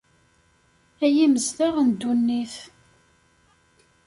Ay imezdaɣ n ddunit!